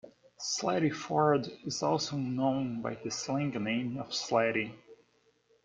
Slatyford is also known by the slang name of 'Slaty'.